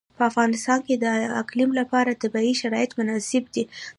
په افغانستان کې د اقلیم لپاره طبیعي شرایط مناسب دي.